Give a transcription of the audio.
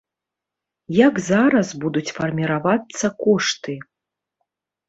Як зараз будуць фарміравацца кошты?